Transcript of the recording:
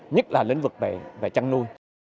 nhất là lĩnh vực về chăn nuôi